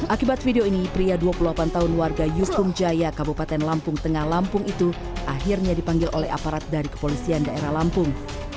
akibat video ini pria dua puluh delapan tahun warga yustung jaya kabupaten lampung tengah lampung itu akhirnya dipanggil oleh aparat dari kepolisian daerah lampung